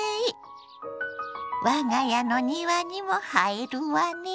我が家の庭にも映えるわね。